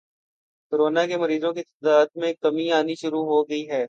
corona کے مریضوں کی تعداد میں کمی آنی شروع ہو گئی ہے